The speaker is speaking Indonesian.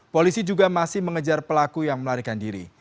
polisi juga masih mengejar pelaku yang melarikan diri